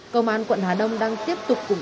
công an quận hà đông đang tiếp tục củng cố